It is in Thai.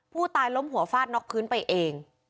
ผู้ตายล้มหัวฟาดน็อกพื้นไปเอง